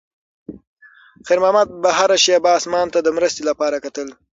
خیر محمد به هره شېبه اسمان ته د مرستې لپاره کتل.